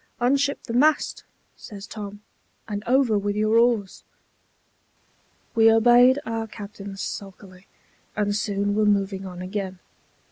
"Unship the mast," says Tom, "and over with your oars." We obeyed our captain sulkily, and soon were moving on again.